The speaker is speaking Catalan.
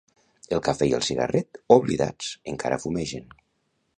El cafè i el cigarret, oblidats, encara fumegen.